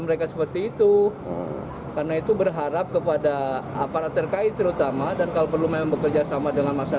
baik anak anak tersebut maupun pengguna jalan lainnya